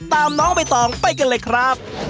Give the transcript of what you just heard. ตามน้องไปต่อไปกันเลยครับ